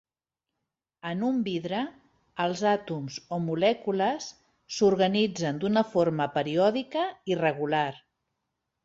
En un vidre, els àtoms o molècules s'organitzen d'una forma periòdica i regular.